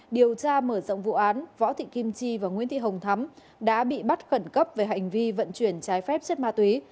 điều tra mở rộng vụ án võ thị kim chi và nguyễn thị hồng thắm đã bị bắt khẩn cấp về hành vi vận chuyển trái phép chất ma túy